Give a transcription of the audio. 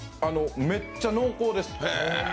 めっちゃ濃厚です。